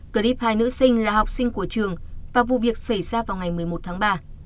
clip hai nữ sinh là học sinh của trường và vụ việc xảy ra vào ngày một mươi một tháng ba